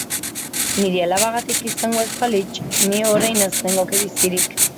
Nire alabagatik izango ez balitz ni orain ez nengoke bizirik.